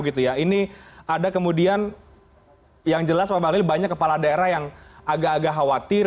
ini ada kemudian yang jelas pak bahlil banyak kepala daerah yang agak agak khawatir